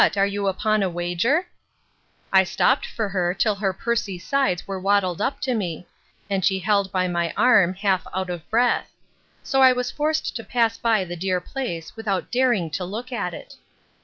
are you upon a wager? I stopt for her, till her pursy sides were waddled up to me; and she held by my arm, half out of breath: So I was forced to pass by the dear place, without daring to look at it.